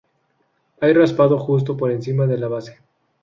Hay raspado justo por encima de la base.